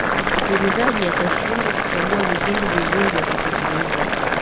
msikilizaji atashindwa kuchagua vipindi vizuri vya kusikiliza